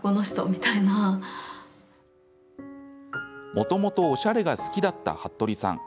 もともとおしゃれが好きだった服部さん。